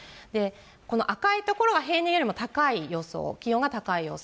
この赤い所が平年よりも高い予想、気温が高い予想。